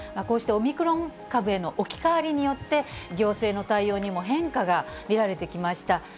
こうしてオミクロン株への置き換わりによって、行政の対応にも変化が見られてきました。